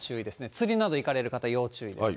釣りなど行かれる方、要注意です。